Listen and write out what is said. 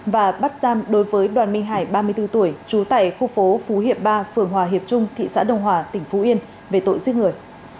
và bắt giam đối với đoàn minh hải ba mươi bốn tuổi trú tại khu phố phú hiệp ba phường hòa hiệp trung thị xã đông hòa tỉnh phú yên về tội giết người